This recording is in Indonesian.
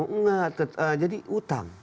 enggak jadi utang